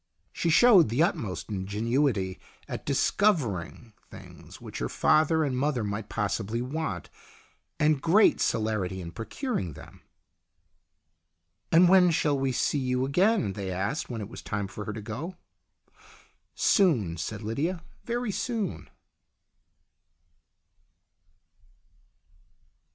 She showed the utmost in genuity at discovering things which her father and mother might possibly want, and great celerity in procuring them. "And when shall we see you again?" they asked when it was time for her to go. " Soon," said Lydia. " Very soon."